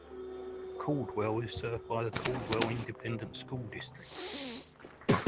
Caldwell is served by the Caldwell Independent School District.